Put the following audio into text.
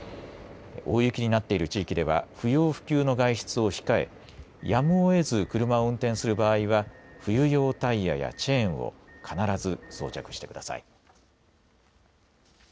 大雪になっている地域では不要不急の外出を控えやむをえず車を運転する場合は冬用タイヤやチェーンを必ず装着してください。